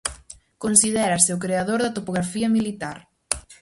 Considérase o creador da topografía militar.